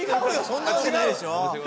そんなわけないでしょ！